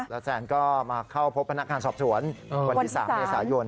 แล้วแซนก็มาเข้าพบพนักงานสอบสวนวันที่๓เมษายน